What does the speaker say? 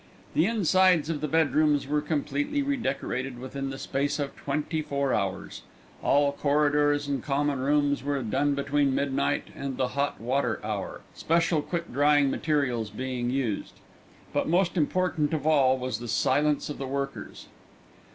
The insides of the bedrooms were completely redecorated within the space of twenty four hours. All corridors and common rooms were done between midnight and the hot water hour, special quick drying materials being used; but most important of all was the silence of the workers.